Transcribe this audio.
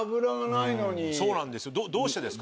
どうしてですか？